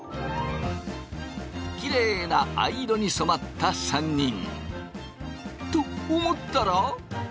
きれいな藍色に染まった３人。と思ったら？